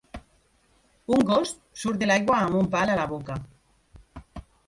Un gos surt de l'aigua amb un pal a la boca.